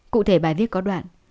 cụ thể bài viết có đoạn